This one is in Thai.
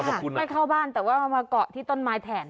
ไม่เข้าบ้านแต่ว่ามาเกาะที่ต้นไม้แทน